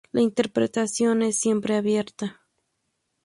La interpretación es siempre abierta.